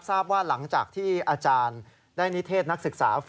ทราบว่าหลังจากที่อาจารย์ได้นิเทศนักศึกษา